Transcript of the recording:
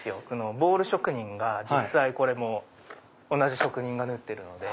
ボール職人が実際同じ職人が縫ってるので。